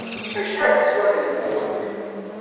Acḥal teswa tenfult?